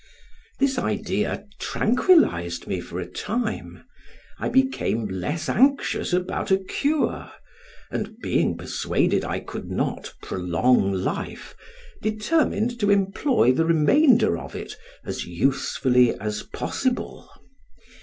This idea tranquillized me for a time: I became less anxious about a cure, and being persuaded I could not prolong life, determined to employ the remainder of it as usefully as possible.